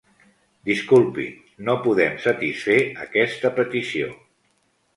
Disculpi, no podem satisfer aquesta petició.